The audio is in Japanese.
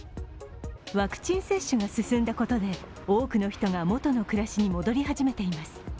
ワクチン接種が進んだことで多くの人が元の暮らしに戻り始めています。